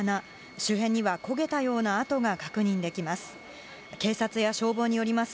周辺には焦げたような跡が確認できます。